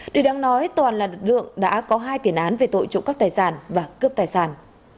điều đáng nói toàn là lực lượng đã có hai tiền án về tội trộm cắp tài sản và cướp tài sản